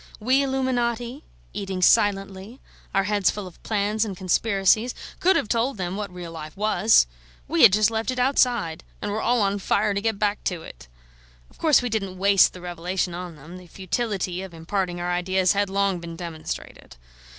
We illuminati, eating silently, our heads full of plans and conspiracies, could have told them what real life was. We had just left it outside, and were all on fire to get back to it. Of course we didn't waste the revelation on them; the futility of imparting our ideas had long been demonstrated.